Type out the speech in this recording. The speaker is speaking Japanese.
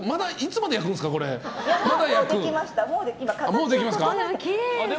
もうできました。